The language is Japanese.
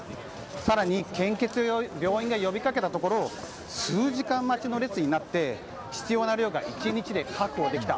更に献血を病院が呼びかけたところ数時間待ちの列になって必要な量が１日で確保できた。